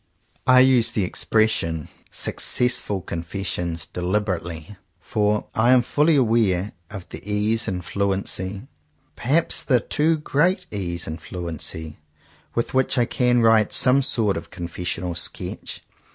I use the expression "successful con fessions" deliberately, for I am fully aware of the ease and fluency, perhaps the too great ease and fluency, with which I can write some sort of a confessional sketch.